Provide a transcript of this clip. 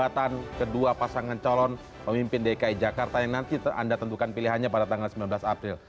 tolong pemimpin dki jakarta yang nanti anda tentukan pilihannya pada tanggal sembilan belas april